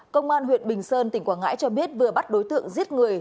công an huyện bình sơn tỉnh quảng ngãi cho biết vừa bắt đối tượng giết người